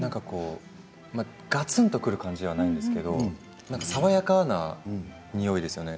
がつんとくる感じではないんですけれども爽やかなにおいですよね。